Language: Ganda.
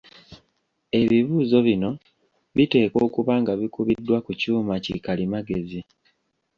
Ebibuuzo bino biteekwa okuba nga bikubiddwa ku kyuma ki kalimagezi.